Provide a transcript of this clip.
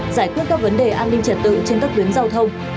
giải quyết các vấn đề an ninh trật tự trên các tuyến giao thông